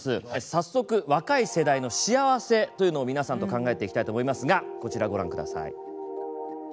早速、若い世代の幸せというのを皆さんと考えていきたいと思いますが、こちらご覧ください。